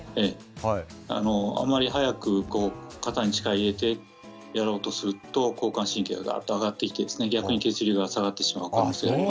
あまり早く肩に力を入れてやろうとすると交感神経がぐっと上がってきて血流が逆に下がってしまいます。